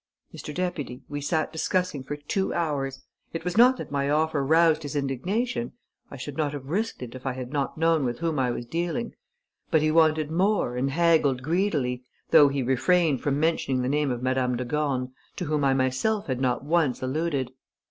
Mr. Deputy, we sat discussing for two hours. It was not that my offer roused his indignation I should not have risked it if I had not known with whom I was dealing but he wanted more and haggled greedily, though he refrained from mentioning the name of Madame de Gorne, to whom I myself had not once alluded.